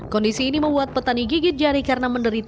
kondisi ini membuat petani gigit jari karena menderita